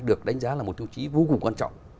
được đánh giá là một tiêu chí vô cùng quan trọng